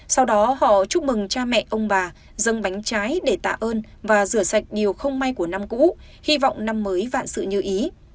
sau đó họ chúc mừng cha mẹ ông bà dân bánh trái để tạ ơn và rửa sạch điều không may của năm cũ hy vọng năm mới vạn sự như ý